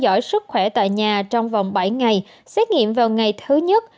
dõi sức khỏe tại nhà trong vòng bảy ngày xét nghiệm vào ngày thứ nhất